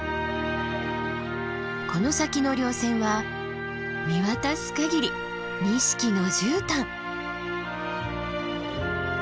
この先の稜線は見渡す限り錦の絨毯。